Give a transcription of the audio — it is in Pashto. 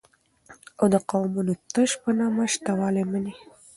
او دقومونو تش په نامه شته والى مني